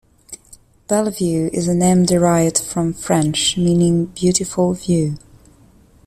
Bellevue is a name derived from French meaning "beautiful view".